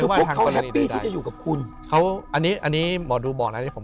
พวกเขาแฮปปี้จะอยู่กับคุณ